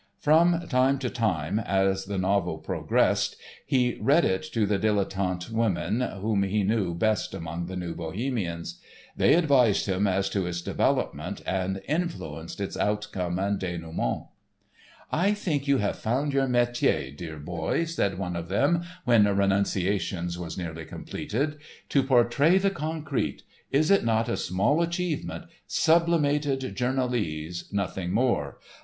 From time to time, as the novel progressed, he read it to the dilettante women whom he knew best among the New Bohemians. They advised him as to its development, and "influenced" its outcome and dénouement. "I think you have found your métier, dear boy," said one of them, when "Renunciations" was nearly completed. "To portray the concrete—is it not a small achievement, sublimated journalese, nothing more?